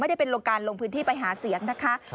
ได้เป็นโรงการลงพื้นที่ไปหาเสียงนะคะ